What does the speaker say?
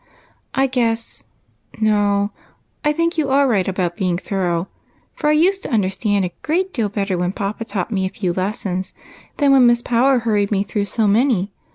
I guess, — no, I think you are right about being thorough, for I used to understand a great deal better when papa taught me a few lessons than when Miss Power hurried me through so many.